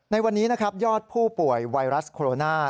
ในวันนี้ยอดผู้ป่วยไวรัสโคโรนา